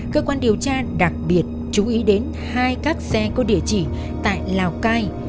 cơ quan điều tra đặc biệt chú ý đến hai các xe có địa chỉ tại lào cai